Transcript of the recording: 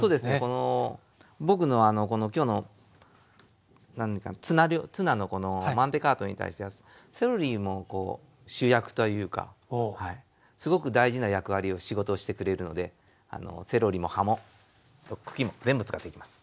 この僕の今日のツナのマンテカートに対してはセロリもこう主役というかすごく大事な役割を仕事をしてくれるのでセロリも葉も茎も全部使っていきます。